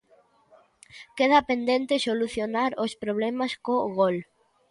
Queda pendente solucionar os problemas co gol.